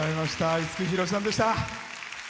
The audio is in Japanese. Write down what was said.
五木ひろしさんでした。